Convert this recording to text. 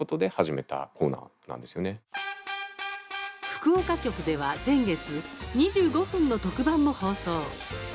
福岡局では先月、２５分の特番も放送。